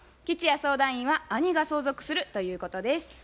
吉弥相談員は「兄が相続する」ということです。